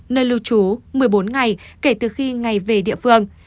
nơi lưu trú một mươi bốn ngày kể từ khi ngày về địa phương